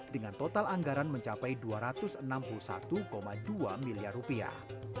dengan total anggaran mencapai dua ratus enam puluh satu dua miliar rupiah